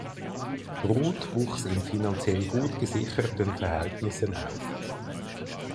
Ruth wuchs in finanziell gut gesicherten Verhältnissen auf.